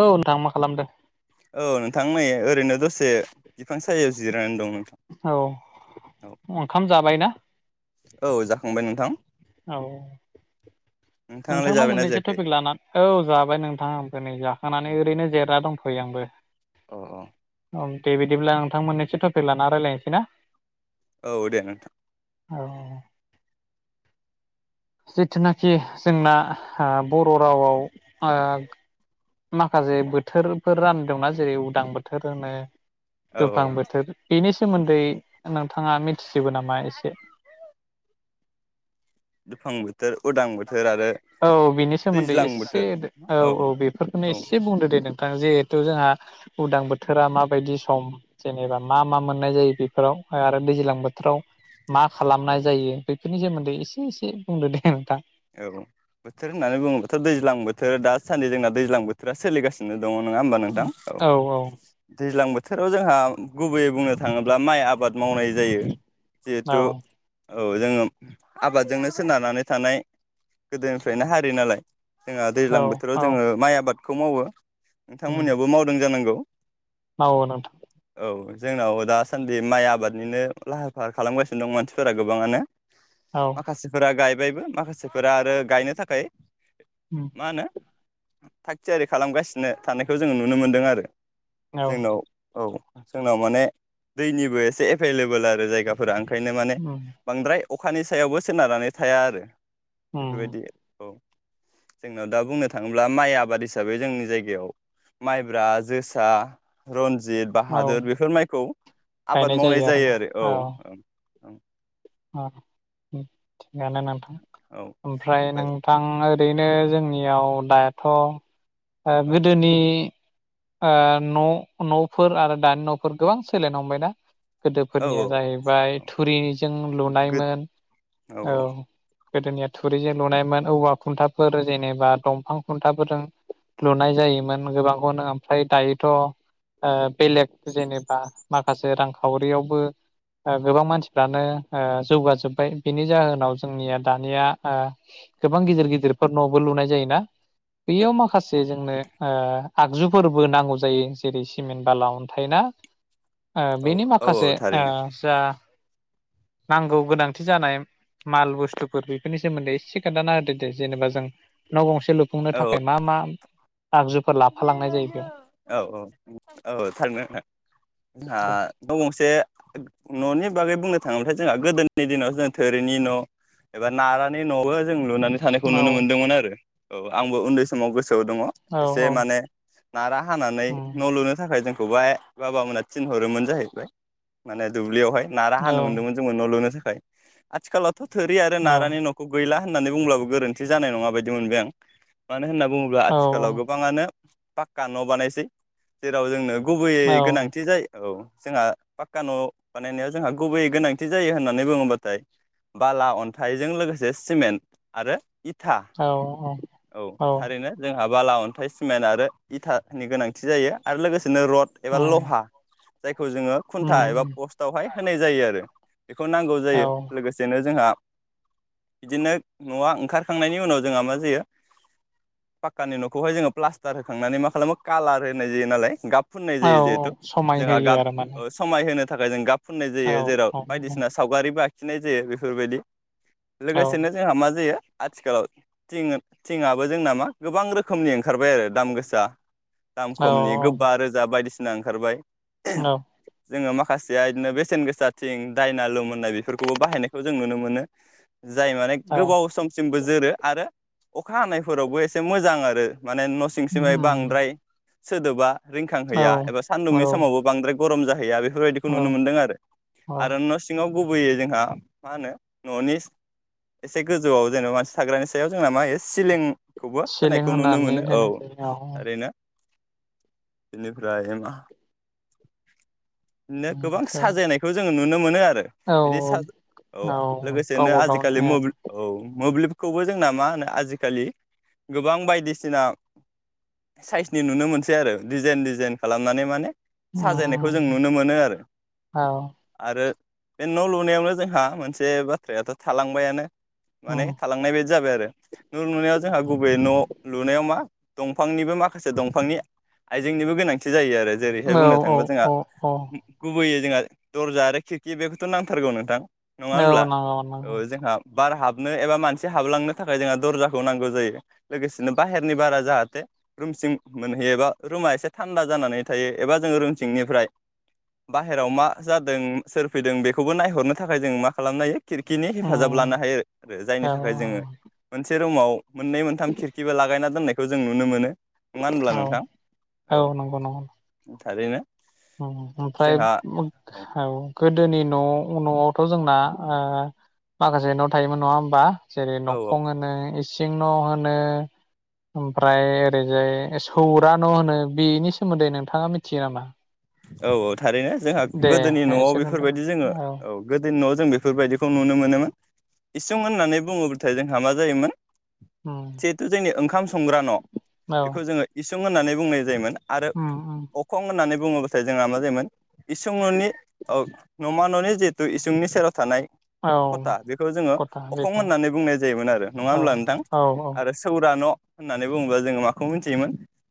औ नोंथां मा खालामदों? औ नोंथां नै ओरैनो दसे बिफां सायाव जिरायनानै दंङो। औ ओंखाम जाबायना? औ जाखांबाय नोंथां। औ नोंथाङालाय नोंथांनाव जाबायना मोननैसो जायाखै टपिक लाना औ जाबाय नोंथां आंबो नै जाखांनानै ओरैनो जेरायना दं। फै आंबो अ अ उम दे बिदिब्ला नोंथां मोननैसो टपिक लाना रायलायनोसै ना? औ दे नोंथां। औ जिथुनाखि जोंना आ बर रावआव ओ माखासे बोथोरफोर रानदोंना जेरै उदां बोथोर होनो औ औ दुफां बोथोर बेनि सोमोन्दै नोंथाङा मिथिजोबो नामा एसे? दुफां बोथोर, उदां बोथोर आरो औ बेनि सोमोन्दै दैज्लां एसे बोथोर औ औ एसे बुंदो दे? जे नोंथांङा जे जिहेथु जोंहा उदां बोथोरा माबायदि सम जेनेबा मा मा मोननाय जायो बेफोराव आरो दैज्लां बोथोराव मा औ खालामनाय जायो बे बेफोरनि सोमोन्दै एसे एसे बुंदो दे नोंथां? औ बोथोर होननानै बुङोबाथ' दैज्लां बोथोर दासान्दि जोंना दैज्लां बोथोरा सोलिगासिनो दङ' नङा हबा नोंथां? औ दैज्लां बो थोराव जोंहा गुबैयै बुंनो थाङोब्ला माइ आबाद मावनाय जायो। औ जिहेथु औ जोङो आबादजोंनो सोनारनानै थानाय गोदोनिफ्रायनो हारि नालाय जोंहा औ दैज्लां बोथोराव औ जोङो माइ आबाद खौ मावो उम नोंथांमोननियावबो मावदों जानांगौ मावो नोंथां औ जोंनाव दासान्दि माइ आबादनिनो लाहार फाहार खालामगासिनो दं मानसिफोरा गोबाङानो औ माखासेफोरा गाय बायबो माखासे फोरा आरो गायनो थाखाय उम मा होनो थाग थियारि खालामगासिनो थानायखौ जोङो नुनो मोन्दों आरो औ जोंनाव औ जोंनाव माने दैनिबो एसे एभेल लेबेल आरो जायगाफोरा ओं बेखायनो माने उम बांद्राय अखानि सायावबो सोनारनानै थाया आरो उम बेफोरबायदि औ जोंनाव दा बुंनो थाङोब्ला माइ आबाद हिसाबै जोंनि जायगायाव माइब्रा, जोसा, रनजित जित औ बाहादोर बेफोर माइखौ आबाद गायनाय मावनाय आरोना जायो। आरो औ औ ओं अ ओं थिगानो नोंथां औ ओमफ्राय नोंथां ओरैनो जोंनि जोंनियाव दाथ' ओ औ गोदोनि ओ न नफोर आरो दानि नफोर गोबां सोलायनो हमबाय ना। औ गोदोफोरनिया औ जाहैबाय थुरिनि जों गो लुनायमोन औ गोदोनिया थुरिजों लुनायमोन औवा खुन्थाफोर जेनेबा दंफां खुन्थाफोरजों लुनाय जायोमोन गोबांखौनो ओमफ्राय दायोथ ओ बेलेग जेनेबा माखासे रांखावरियावबो गोबां मानसिफ्रानो ओ जौगाजोबबाय बेनि जाहोनाव जोंनिया दानिया ओ गोबां गिदिर गिदिरफोर न'बो लुनाय जायोना बेयाव माखासे जोंनो ओ आगजुफोरबो नांगौ जायो जेरै सिमेन्ट बाला, अन्थाइ, ना ओ औ बेनि औ माखासे औ ओ थारैनो जा नांगौ गोनांथि जानाय माल बुस्थुफोर बेफोरनि सोमोन्दै एसे खोनथाना होदो दे जेनेबा जों न' गंसे खो लुफुंनो औ थाखाय मा मा आगजुफोर लाफालांनाय जायो बेयाव [unintelligible] औ औ औ थारनो जोंहा दे न' गंसे न'नि बागै बुंनो थाङोब्लाथाय जोंहा गोदोनि दिनाव जों थोरिनि न' एबा नारानिनि न'बो जों लु लुनानै थानायखौ औ नुनो मोन्दोंमोन आरो। औ आंबो उन्दै समाव गोसोआव दङ औ एसे औ माने नारा हानानै उम न' लुनो थाखाय जों खौहाय बाबामोनहा थिनहरोमोन जाहैबाय माने दुब्लियावहाय नारा औ हानो मोनदोंमोन जोंबो नं लुनो था खाय आथिखालाव थ' थोरि आरो नारानि न'खौ गैला होननानै बुंब्लाबो गोरोन्थि जानाय नङा बायदि मोनबाय आं। मानो होनना बुङोब्ला औ आथिखालाव गोब पाक्का न' बानायसै जेराव जोंनो गुबैयै गोनांथि जायो औ जोंहा पाक्का न' बानायनायाव जोंहा गुबैयै गोनांथि जायो होननानै बुङोबाथाय बाला अन्थाइजों लोगोसे सिमेन्ट आरो इथा औ औ थारैनो जोंहा बाला अन थाइ सिमेन्ट आरो इथानि गोनांथि जायो आरो लोगोसे नो रड एबा उम लहा जायखौ जोङो उम खुन्था एबा उम पस्टआवहाय होनाय जायो आरो। बेखौ नांगौ औ जायो लोगोसेनो जोंहा बिदिनो न'आ ओंखारखांनायनि उनाव जोंहा मा जायो पाक्कानि न' खौहाय जोङो प्लास्टार होखांनानै मा खालामो कालार होनाय जायो नालाय गाब फुननाय औ जायो जिहेथु समाय जोंहा होयो गाब आरो माने समाय होनो नि थाखाय जों गाब फुननाय औ जायो जेराव बायदिसिना औ सावगारिबो आख खिनाय जायो बेफोरबायदि औ लोगोसेनो जोंहा मा जायो आथिखालाव थिं थिङाबो जोंना मा गोबां रोख खोमनि ओंखारबाय आरो दाम गोसा दाम खमनि गोब्बा औ रोजा बायदिसिना सिना ओंखारबाय औ जोङो मा खासेया इदिनो बेसेन गोसा थिं दायनालुम होननाय बेफोरखौबो बाहायनायखौ जों नुनो मोनो। जाय माने औ गोबाव समसिमबो जोरो आरो अखा हानायफोरावबो एसे मोजां आरो आरो माने न' सिं सिमाय बांद्राय सोदोबा औ रिंखांहैया एबा औ सान्दुंनि समावबो बांद्राय गरम जाहैया बे बेफोरबायदिखौ औ नुनो मोनदों आरो औ आरो न' सिङाव गुबैयै जोंहा मा होनो न'नि एसे गोजौआव जेनेबा मानसि थाग्रानि सायाव जोंना मा सिलिं खौबो होनाय सिलिं खौ नुनो होनानै मोनो औ दोननाय जायो औ ओरैनो बेनिफ्रायमा नो गोबां साजायनायखौ जों नुनो मोनो आ रो औ बिनि सा औ लोगोसेनो गावबा गावनि आजिखालि औ मबल औ। मोब्लिबखौबो जोंना मा होनो आजिखालि गोबां बाय दिसिना साइसनि नुनो मोनसै आरो डिजाइन डिजाइन खालामनानै माने साजायनायखौ जों नुनो मोनो आरो औ आरो बे न' लुनायावनो जोंहा मोनसे बाथ्रायाथ' थालांबायानो औ माने थालांनाय बायदि जाबाय आरो न' लुनायाव जोंहा बबे न' मा दंफांनिबो माखासे दंफांनि आइजेंनिबो गोनांथि जायो आरो जेरैहाय बुंनो औ थाङोबा जोंहा औ औ गु बैयो जोंहा दरजा आरो खेरखि बेखौथ' नांथारगौ नोंथां। नङा औ होमब्ला नंगौ नंगौ। औ जोंहा बार हाबनो एबा मानसि हाबलांनो थाखाय जोंहा दरजाखौ नांगौ जायो लोगोसे बिदिनो बाहेरनि बारा जाहाथे रुमसिं मोनहैयोबा रुमा एसे थान्दा जानानै थायो एबा जोङो रुमसिंनिफ्राय बाहेरायाव मा जादों सोर फैदों बेखौबो नायहरनो थाखाय जों मा खालामनो हायो खिरखिनि औ हेफाजाब लानो हायो आरो जायनि थाखाय जोङो मोनसे रुमाव मोननै मोनथाम खिर लागायना दोननायखौ जों नुनो मोनो। नङा होनब्ला औ नोंथां औ नंगौ नंगौ। थारैनो ओम ओमफ्राय जोंहा औ गोदोनि न नआव थ' जोंना ओ माखासे न' थायोमोन नङा होमबा? जेरै औ नखं होनो इ सिं न' होनो ओमफ्राय ओरैजाय सौरा न' होनो बेनि सोमोन्दै नोंथाङा मिथियो नामा? औ [unintelligible] थारैनो जोंहा दे गोदोनि नआव एसे बुंदो बेफोरबायदि जोङो औ गोदोनि नआव जों बेफोरबायदिखौ नुनो मोनोमोन इसुं होननानै बुङोबाथाय जोंहा मा जायोमोन उम जिहेथु जोंनि ओंखाम संग्रा न औ बेखौ जोङो इ सुं होननानै बुंनाय जायोमोन। आरो उम उम अखं होननानै बुङो नाथाय जोंना मा जायोमोन इसं ननि ओ नमा ननि जिहेतु इसंनि सेराव थानाय औ खथा बेखौ जोङो खथा अखं बेखौ होननानै बुंनाय जायोमोन आरो नङा औ हब्ला नोंथां औ आरो सौर न' होननानै बुङोब्ला जोङो माखौ मिथियोमोन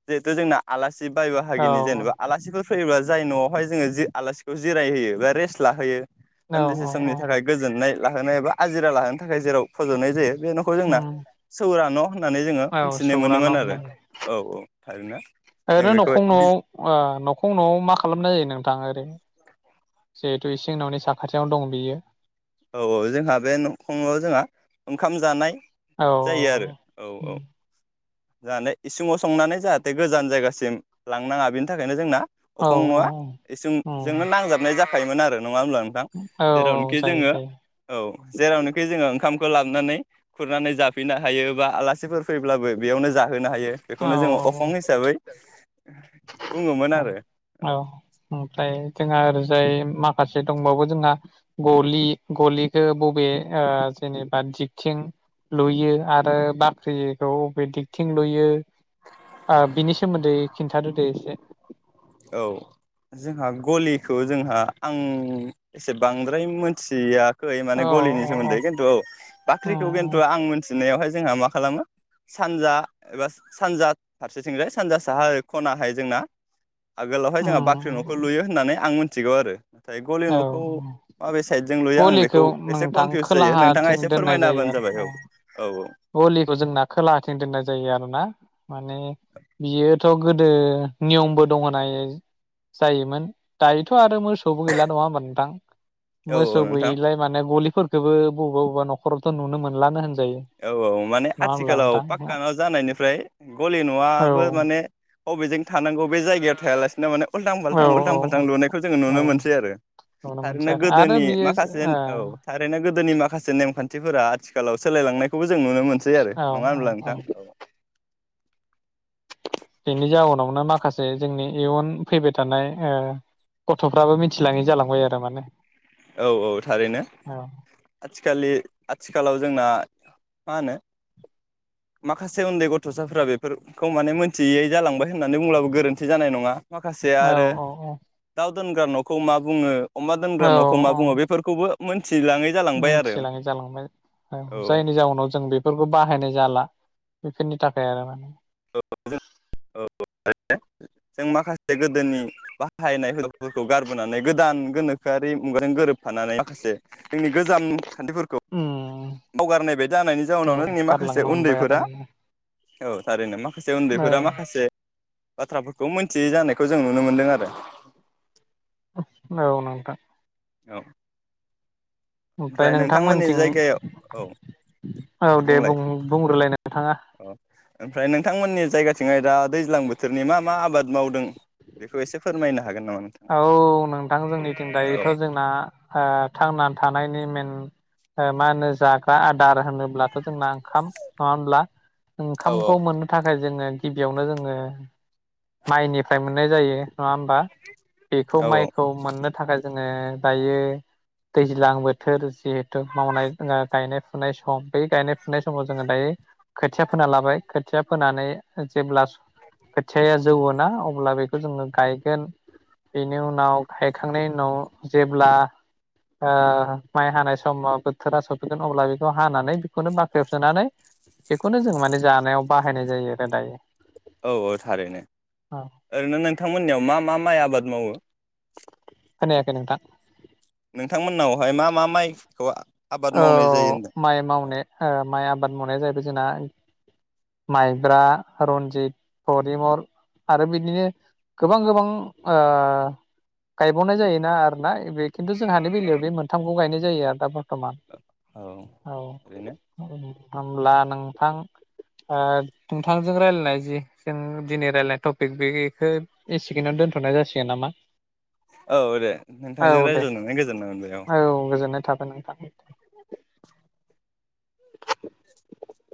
जिहेथु जोंना आलासि बाय औ बाहागिनि जेनेबा आलासि फैयोबा जाय नआवहाय जोङो जे आलासिखौ जिरायहोयो बा रेस्ट लाहोयो औ दान्दिसे औ समनि औ थाखाय गोजोननाय लाहोनो एबा आजिरा लाहोनो थाखाय जेराव फज'नाय जायो बे नखौ जोंना उम सौरा न होननानै जोङो औ मोनथिनाय सौरा मोनोमोन आरो औ औ थायोना ओरो नखं नआव ओ नखं न मा खालामनाय जायो नोंथाङा ओरै जिहेतु इसिं नावनि साखाथियावनो दं बियो? औ औ जोंहा बे नखंयाव जोंहा ओंखाम जानाय औ जायो आरो औ औ जानानै इसिङाव संनानै जाहाथे गोजान जायगासिम लांनाङा बिनि थाखायनो जोंना औ अखं नआ औ इसुंजोंनो नांजाबनाय जा खायोमोन आरो नङा होनबा नोंथां औ औ जेरावनोखि जायो जोंङो जायो औ जेरावनोखि जोङो ओंखाम खौ लाबनानै खुरनानै जाफैनो हायो बा आलासिफोर फैब्लाबो बेयावनो जा होनो हायो औ बेखौनो जोङो अखं हिसाबै बुङोमोन औ आरो औ ओमफ्राय जोंहा आरो जाय माखासे दंबावो जोंहा गलि गलिखौ बबे ओ जेनेबा दिगथिं लुयो आरो बाख्रिखौ बबे दिगथिं लुयो ओ बिनि सोमोन्दै खिन्थादो दे एसे? औ जोंहा गलिखौ जोंहा आं एसे बांद्राय मोथिया खै माने औ गलिनि औ सोमोन्दै खिन्थु औ बाख्रिखौ खिन्थु उम आं मिथिनायावहाय जोंहा मा खालामो सानजा एबा सानजा फारसेथिंजाय सानजा साहा खनाहाय जोंना आगोलावहाय जोंहा बाख्रि नखौ उम लुयो होननानै आं मिथिगौ आरो नाथाय गलि औ नखौ माबे साइदजों लुयो आं गलिखौ बेखौ एसे नोंथां कनफिउस जायो नोंथाङा खोलाहाथिं एसे दोननाय फोरमायना जायो हबानो आरो जाबाय औ औ औ गलिखौ जोंना खोलाथिं दोननाय जायो आरोना माने बियोथ' गोदो नियमबो दं होनाय जायोमोन दायोथ' आरो मोसौबो गैला नङा होमबा नोंथां औ मोसौ औ नोंथां गैयिलाय माने गलि फोरखोबो बबेबा बबेबा नखरावथ नुनो मोन्लानो होनजायो। औ औ माने नङा होमब्ला आथिखालाव नोंथां पाक्का न जानायनिफ्राय गलि औ नआबो माने अबेजों थानांगौ बे जायगायाव थायालासिनो माने औ उल्थां-फाल्थां उल्थां-फाल्थां औ लुनायखौ जोङो औ नुनो मोनसै आरो नुनो मोनसै थारैनो आरो आरो गोदोनि बियो माखासे ओ औ थारैनो गोदोनि माखासे नेमखान थिफोरा आथिखालाव सोलायलांनाय खौबो जों नुनो मोनसै आरो औ नङा औ होनब्ला नोंथां? औ बेनि जाउनावनो माखासे जोंनि इयुन फैबाय थानाय ओ गथ'फ्राबो मिथिलाङि जालांबाय आरो माने। औ औ थारैनो औ आथिखालि आथिखालाव जोंना मा होनो माखासे उन्दै गथसाफोरा बेफोरखौ माने मोनथियै जालांबाय होननानै बुंब्लाबो गोरोन्थि जानाय नङा। माखासे औ आरो औ औ दाउ दोनग्रा नखौ मा बुङो अमा दोनग्रा नखौ मा बुङो, बेफोरखौबो मोन्थिलाङै मिन्थिलाङै जालांबाय औ जायनि जाउनाव जों बेफोरखौ बाहायनाय जाला। बेफोरनि थाखाय आरो माने [unintelligible] जों माखासे गोदोनि बाहायनाय हुदाफोरखौ गारबोनानै गोदान गोनोखोआरि मुगाजों गोरोब फानानै माखासे जोंनि गोजाम खान्थिफोरखौ उम बावगारनाय बायदि जानायनि औ जाउनावनो जोंनि माखासे गारलांनो हमबाय आरो उन्दैफोरा माने औ थारैनो मा खासे औ उन्दैफोरा माखासे बाथ्राफोरखौ मोनथियै जानायखौ जों नुनो मोनदों आरो औ नोंथां औ ओमफ्राय नोंथांमोननि जायगायाव, औ औ दे बुंलाय, बुं बुंग्रोलाय नोंथाङा औ ओमफ्राय नोंथांमोननि जायगा थिंहाय दा दैज्लां बोथोरनि मा मा आबाद मावदों? बेखौ एसे फोरमायना औ नोंथां जोंनिथिं औ दायोथ जोंना आ थांनानै था नायनि मेन ओ मा होनो जाग्रा आ दार होनोब्लाथ जोंना ओंखाम नङा होमब्ला? औ ओंखामखौ मोननो थाखाय जोङो गिबियावनो जोङो माइनिफ्राय मोननाय जायो। नङा होमबा? बेखौ औ माइखौ मोननो थाखाय जोङो दायो दैज्लां बोथोर जिहेथु मावनाय ओ गायनाय फुनाय सम बै गायनाय फुनाय समाव जोङो दायो खोथिया फोना लाबाय। खोथिया फोनानै उम जेब्ला स‌ खोथि या जौवोना अब्ला बेखौ जोङो गायगोन, बेनि उनाव गायखांनायनि उनाव जेब्ला ओ माइ हानाय समाव बोथोरा सफैगोन अब्ला बेखौ हानानै बेखौनो बाख्रिआव सोनानै बेखौनो जों माने जानायाव बाहायनाय जायो आरो दायो। औ औ थारैनो औ ओरैनो नोंथांमोननियाव मा मा माइ आबाद मावो। खोनायाखै नोंथां नोंथांमोननावहाय मा मा माइ खौ औ माइ मावनाय ओ माइआ आबाद मावनाया जाहैबाय जोंना माइब्रा रनजित परिमल आरो बिदिनो गोबां गोबां ओ गायबावनाय जायोना आरोना बे खिन्थु जोंहानि बेलायाव बे मोनथामखौ गायनाय जायो आरो दा बर थमान औ ओरैनो मोनथाम होनोमब्ला नोंथां ओ नोंथांजों रायलायनाय जि जों दिनै रायलायनाय टपिक बेखौ एसेखिनो दोनथनाय जासिगोन नामा। औ दे औ नोंथांजों दे रायज्लायनानै गोजोननाय मोनबाय आं। औ गोजोननाय थाबाय नोंथां [inaudible]